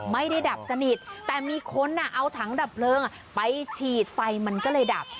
ดับสนิทแต่มีคนเอาถังดับเพลิงไปฉีดไฟมันก็เลยดับ